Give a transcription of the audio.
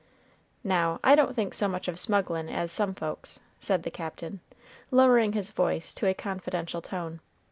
Now I don't think so much of smugglin' as some folks," said the Captain, lowering his voice to a confidential tone.